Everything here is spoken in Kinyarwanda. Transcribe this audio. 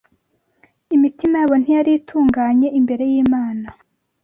Imitima yabo ntiyari itunganye imbere y’Imana.